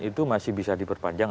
itu masih bisa diperpanjang